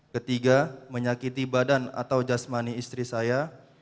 ketiga menyakiti badan atau jasmani istri saya